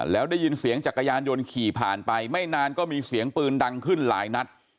แล้วได้ยินเสียงจักรยานยนต์ขี่ผ่านไปไม่นานก็มีเสียงปืนดังขึ้นหลายนัด